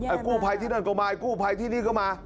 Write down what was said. เออกู้ไภที่นั่นก็มาไอ่กู้ไภที่นี่ก็มา